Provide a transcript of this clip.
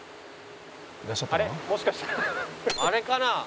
あれかな？